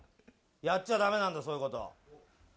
やっちゃダメなんだそういうこと。